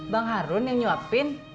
bang harun yang nyuapin